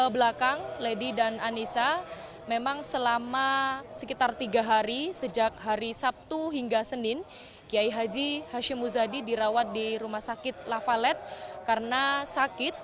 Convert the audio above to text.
belakang lady dan anissa memang selama sekitar tiga hari sejak hari sabtu hingga senin kiai haji hashim muzadi dirawat di rumah sakit lafalet karena sakit